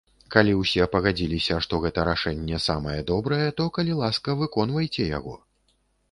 Калі ўсе пагадзіліся, што гэта рашэнне самае добрае, то, калі ласка, выконвайце яго.